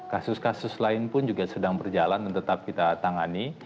kasus kasus lain pun juga sedang berjalan dan tetap kita tangani